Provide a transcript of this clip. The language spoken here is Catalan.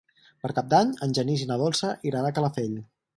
Per Cap d'Any en Genís i na Dolça iran a Calafell.